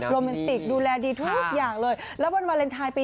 โรแมนติกดูแลดีทุกอย่างเลย